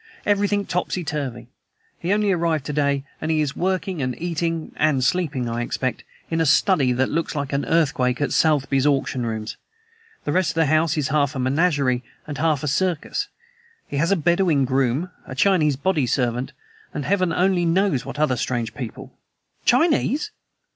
Everything topsy turvy. He only arrived to day, and he is working and eating (and sleeping I expect), in a study that looks like an earthquake at Sotheby's auction rooms. The rest of the house is half a menagerie and half a circus. He has a Bedouin groom, a Chinese body servant, and Heaven only knows what other strange people!" "Chinese!"